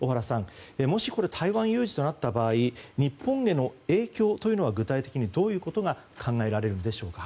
もし台湾有事となった場合日本への影響というのは具体的にどういうことが考えられるのでしょうか。